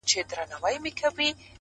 سم ليونى سوم-